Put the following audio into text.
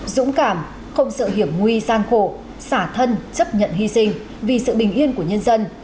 dũng cảm không sợ hiểm nguy gian khổ xả thân chấp nhận hy sinh vì sự bình yên của nhân dân